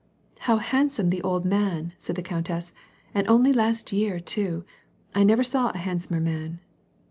"How handsome the old man," said the coimtess, "and only last year too ! I never saw a handsomer man